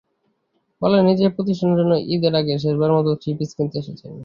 বললেন, নিজের প্রতিষ্ঠানের জন্য ঈদের আগে শেষবারের মতো থ্রি-পিস কিনতে এসেছেন।